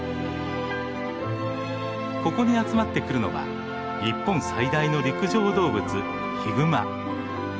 ここに集まってくるのは日本最大の陸上動物ヒグマ。